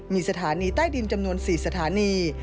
มีสถานีใต้ดินจำนวน๔สถานี